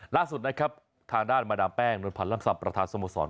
ล่าสุดนะครับทางด้านบรรดาแป้งโดนพันลำซำประธานสมสรรค์